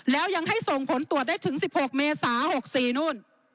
แล้วยังให้ส่งผลตรวจได้ถึง๑๖เมษา๖๔นู่น